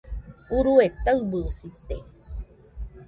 Urue taɨbɨsite